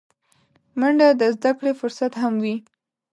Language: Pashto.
منډه د زدهکړې فرصت هم وي